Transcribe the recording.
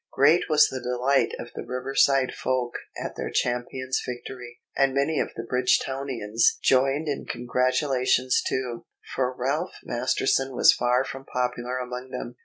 Great was the delight of the Riverside folk at their champion's victory, and many of the Bridgetownians joined in congratulations too, for Ralph Masterton was far from popular among them.